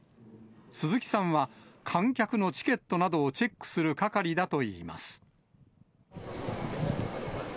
鈴木さんは、観客のチケットなどをチェックする係だといいます。